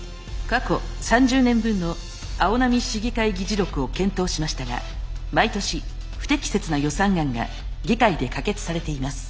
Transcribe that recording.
過去３０年分の青波市議会議事録を検討しましたが毎年不適切な予算案が議会で可決されています。